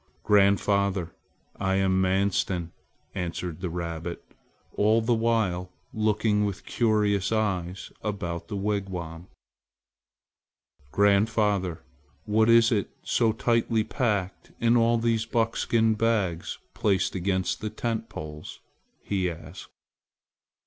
"Grandfather, I am Manstin," answered the rabbit, all the while looking with curious eyes about the wigwam. "Grandfather, what is it so tightly packed in all these buckskin bags placed against the tent poles?" he asked.